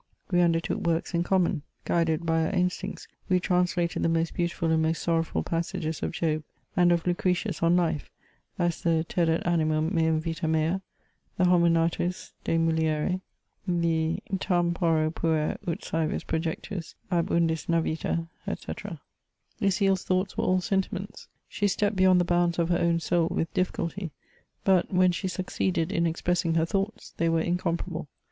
We undertook works in common: guided by our instincts, we translated the most beautiful and most sor rowful passages of Job, and of Lucretius on Life; as the Tadet animum meum vita me(R*y the Homo natua de mulieref, the Turn porro puer ut savis projectus ab nndis navita, &c. Lucile' s thoughts were all sentiments ; she stepped beyond the bounds of her own soul with difficulty ; but, when she suc ceeded in expressing her thoughts, they were incomparable.